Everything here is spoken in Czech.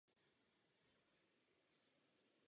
Nabízejí se z ní pohledy na historické centrum Sarajeva.